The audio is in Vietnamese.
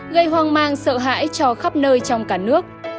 gây hoang mang sợ hãi cho khắp nơi trong cả nước